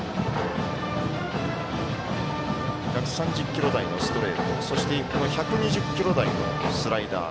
１３０キロ台のストレートそして１２０キロ台のスライダー。